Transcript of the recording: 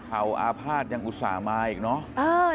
เขาอาภาษณ์ยังอุตส่าห์มาอีกเนอะ